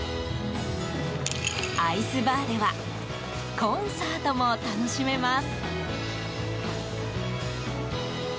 アイスバーではコンサートも楽しめます。